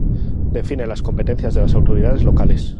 Define las competencias de las autoridades locales.